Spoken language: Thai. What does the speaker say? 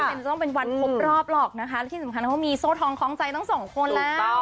เป็นจะต้องเป็นวันครบรอบหรอกนะคะและที่สำคัญเขามีโซ่ทองคล้องใจทั้งสองคนแล้ว